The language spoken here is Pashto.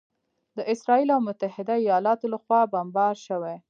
د اسراییل او متحده ایالاتو لخوا بمبار شوي